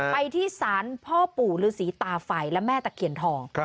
ไปที่ศาลพ่อปู่ฤษีตาไฟและแม่ตะเคียนทอง